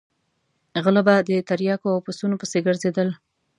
غله به د تریاکو او پسونو پسې ګرځېدل.